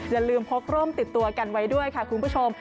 อย่าลืมพกร่มติดตัวกันไว้ด้วยค่ะคุณผู้ชม